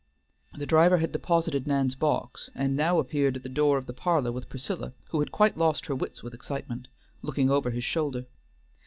The driver had deposited Nan's box, and now appeared at the door of the parlor with Priscilla (who had quite lost her wits with excitement) looking over his shoulder.